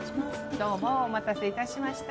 ・どうもお待たせいたしました